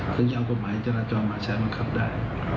คือจะเอากฎหมายจราจรมาใช้บังคับได้